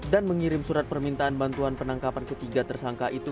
dan mengirim surat permintaan bantuan penangkapan ketiga tersangka itu